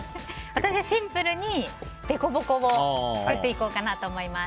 私はシンプルにでこぼこを作っていこうかなと思います。